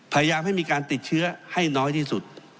พยายามให้มีการติดเชื้อให้น้อยที่สุด